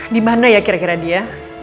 dimana ya kira kira dia